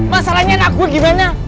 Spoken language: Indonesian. masalahnya anakku gimana